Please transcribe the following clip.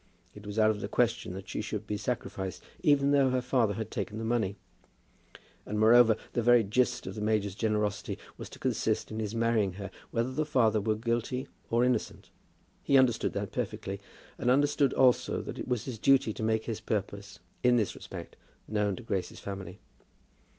It was out of the question that she should be sacrificed, even though her father had taken the money. And, moreover, the very gist of the major's generosity was to consist in his marrying her whether the father were guilty or innocent. He understood that perfectly, and understood also that it was his duty to make his purpose in this respect known to Grace's family.